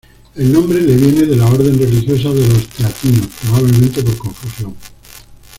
El nombre le viene de la orden religiosa de los Teatinos, probablemente por confusión.